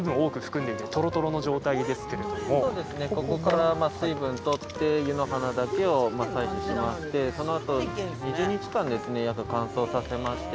ここから水分取って湯の花だけを採取しましてそのあと２０日間ですね、約乾燥させまして。